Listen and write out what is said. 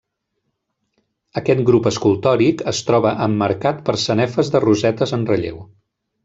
Aquest grup escultòric es troba emmarcat per sanefes de rosetes en relleu.